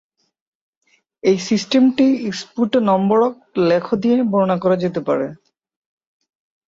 এই সিস্টেমটি স্ফূটনম্বরক লেখ দিয়ে বর্ণনা করা যেতে পারে।